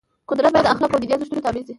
قدرت باید د اخلاقو او دیني ارزښتونو تابع شي.